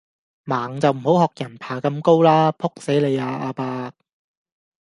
盲就唔好學人爬咁高啦，仆死你呀阿伯